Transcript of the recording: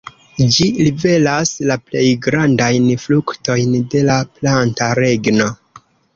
Ĝi liveras la plej grandajn fruktojn de la planta regno.